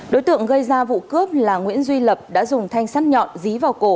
đối tượng gây ra vụ cướp là nguyễn duy lập đã dùng thanh sắt nhọn dí vào cổ